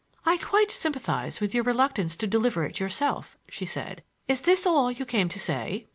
"I quite sympathize with your reluctance to deliver it yourself," she said. "Is this all you came to say?"